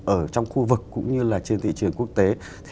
ở trong khu vực cũng như là trên thị trường quốc tế